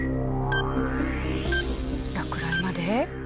落雷まで。